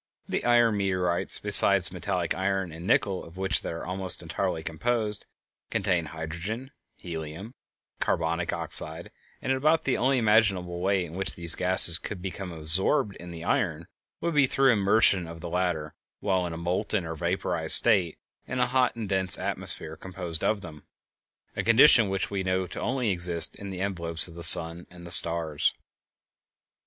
The iron meteorites, besides metallic iron and nickel, of which they are almost entirely composed, contain hydrogen, helium, and carbonic oxide, and about the only imaginable way in which these gases could have become absorbed in the iron would be through the immersion of the latter while in a molten or vaporized state in a hot and dense atmosphere composed of them, a condition which we know to exist only in the envelopes of the sun and the stars.